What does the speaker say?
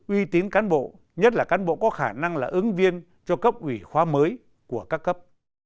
uy tín cán bộ nhất là cán bộ có khả năng là ứng viên cho cấp ủy khóa mới của các cấp